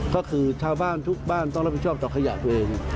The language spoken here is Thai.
ก็คือชาวบ้านทุกบ้านต้องรับผิดชอบต่อขยะตัวเอง